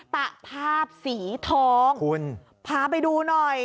ตะภาพสีทองคุณพาไปดูหน่อย